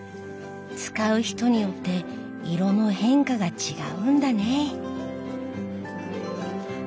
使う人によって色の変化が違うんだね。